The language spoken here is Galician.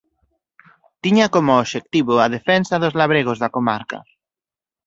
Tiña como obxectivo a defensa dos labregos da comarca.